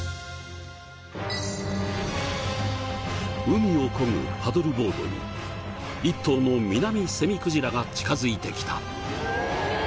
海をこぐパドルボードに一頭のミナミセミクジラが近づいてきた。